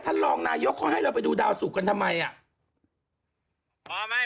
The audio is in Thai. ท่านรองนายกเขาให้เราไปดูดาวสุกกันทำไมอ่ะ